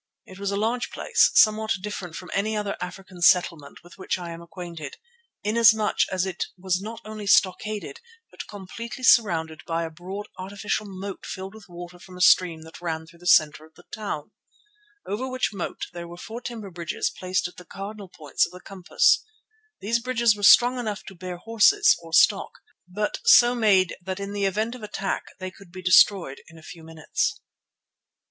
It was a large place, somewhat different from any other African settlement with which I am acquainted, inasmuch as it was not only stockaded but completely surrounded by a broad artificial moat filled with water from a stream that ran through the centre of the town, over which moat there were four timber bridges placed at the cardinal points of the compass. These bridges were strong enough to bear horses or stock, but so made that in the event of attack they could be destroyed in a few minutes.